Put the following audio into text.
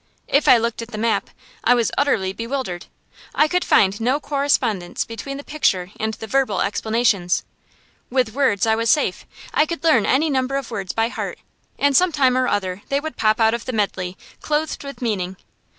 If I looked at the map, I was utterly bewildered; I could find no correspondence between the picture and the verbal explanations. With words I was safe; I could learn any number of words by heart, and sometime or other they would pop out of the medley, clothed with meaning.